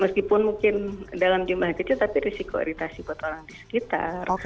meskipun mungkin dalam jumlah kecil tapi risiko oritasi buat orang di sekitar